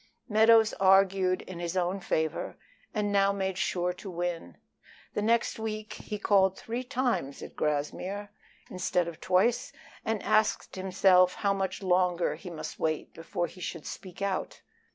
Meadows argued in his own favor, and now made sure to win. The next week he called three times at Grassmere instead of twice, and asked himself how much longer he must wait before he should speak out.